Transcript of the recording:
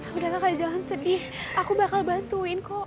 sudahlah kak jangan sedih aku bakal bantuin kok